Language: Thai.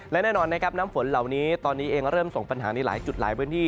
และแน่นอนนะครับน้ำฝนเหล่านี้ตอนนี้เองเริ่มส่งปัญหาในหลายจุดหลายพื้นที่